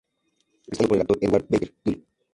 Está interpretado por el actor Edward Baker-Duly.